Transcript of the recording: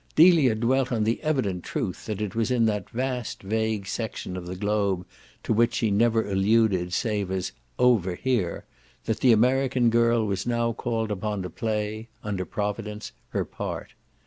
Delia dwelt on the evident truth that it was in that vast vague section of the globe to which she never alluded save as "over here" that the American girl was now called upon to play, under providence, her part.